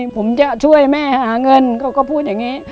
ผมจะช่วยแม่หาเงินเขาก็พูดอย่างนี้